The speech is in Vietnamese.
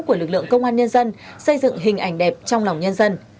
của lực lượng công an nhân dân xây dựng hình ảnh đẹp trong lòng nhân dân